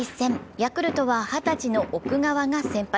ヤクルトは二十歳の奥川が先発。